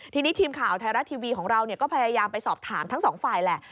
ทีนี้ทีมข่าวไทยรัฐทีวีของเราก็พยายามไปสอบถามทั้งสองฝ่ายแหละ